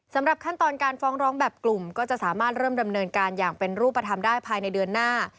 สำหรับขั้นตอนการฟ้องร้องแบบกลุ่มก็จะสามารถเริ่มดำเนินการอย่างเป็นรูปธรรมได้ภายในเดือนหน้า